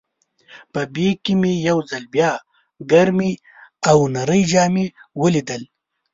په بیک کې مې یو ځل بیا ګرمې او نرۍ جامې ولیدل.